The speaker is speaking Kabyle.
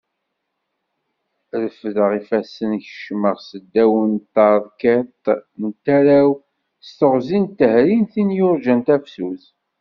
Refdeɣ ifassen kecmeɣ seddaw n tarkiḍṭ n tarawt s teɣzi d tehri n tin yurjan tafsut.